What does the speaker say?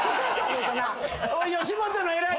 吉本の偉いさん。